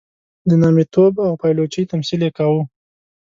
د نامیتوب او پایلوچۍ تمثیل یې کاوه.